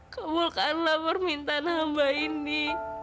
kemulkanlah permintaan amba ini